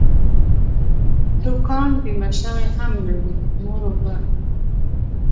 دوکان بیمه شوی هم نه وي، نور اوبه.